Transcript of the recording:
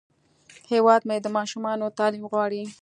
هیواد مې د ماشومانو تعلیم غواړي